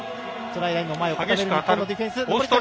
ラインの前を固める日本のディフェンス。